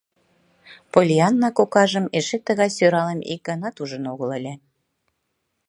Поллианна кокажым эше тыгай сӧралым ик ганат ужын огыл ыле.